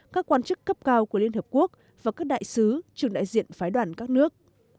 các quan chức cấp cao của liên hợp quốc và các đại sứ trưởng đại diện phái đoàn các nước